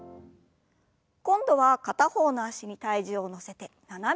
今度は片方の脚に体重を乗せて斜めに。